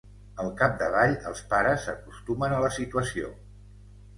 Al capdavall, els pares s'acostumen a la situació.